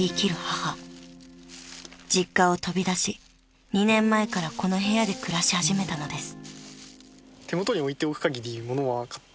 ［実家を飛び出し２年前からこの部屋で暮らし始めたのです］